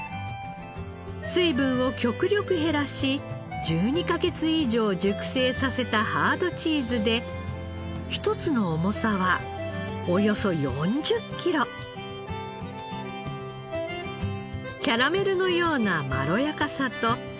水分を極力減らし１２カ月以上熟成させたハードチーズで１つの重さはおよそ４０キロ。が評価され去年日本一に輝きました。